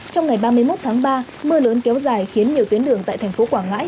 trong ngày ba mươi một tháng ba mưa lớn kéo dài khiến nhiều tuyến đường tại thành phố quảng ngãi